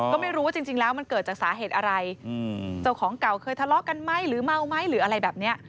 ก็ไม่รู้ว่าจริงแล้วมันเกิดจากสาเหตุอะไรเจ้าของเก่าเคยทะเลาะกันไหมหรือเมาไหมหรืออะไรแบบนี้